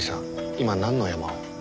今なんのヤマを？